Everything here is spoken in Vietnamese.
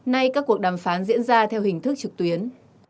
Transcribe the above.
nay các cuộc đàm phán diễn ra theo hình thức trực tuyến